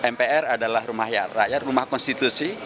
mpr adalah rumah rakyat rumah konstitusi